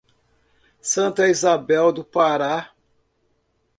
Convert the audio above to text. Santa Izabel do Pará